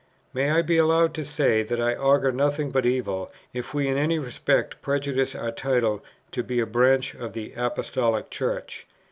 "May I be allowed to say, that I augur nothing but evil, if we in any respect prejudice our title to be a branch of the Apostolic Church?